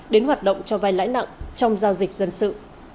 đến hoạt động cho vai lãi nặng trong giao dịch dân sự